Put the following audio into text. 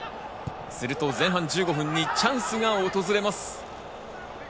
すると前半１５分にチャンスが訪れます。